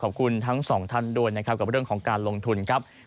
ขอบคุณทั้งสองท่านด้วยนะครับกับเรื่องของการลงทุนครับ